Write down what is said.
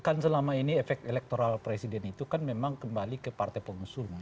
kan selama ini efek elektoral presiden itu kan memang kembali ke partai pengusung